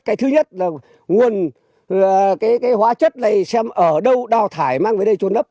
cái thứ nhất là nguồn cái hóa chất này xem ở đâu đào thải mang về đây trôn lấp